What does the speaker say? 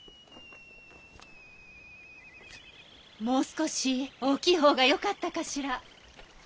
もう少し大きい方がよかったかしら？